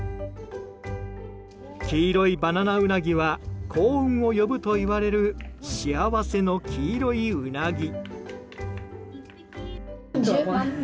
黄色いバナナウナギは幸運を呼ぶといわれる幸せの黄色いウナギ。